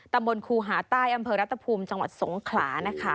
ครูหาใต้อำเภอรัฐภูมิจังหวัดสงขลานะคะ